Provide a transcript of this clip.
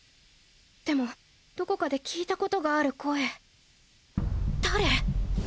でもどこかで聞いたことがある声誰？